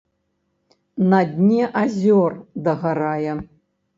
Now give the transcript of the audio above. На дне азёр дагарае.